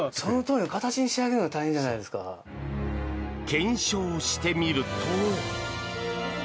検証してみると。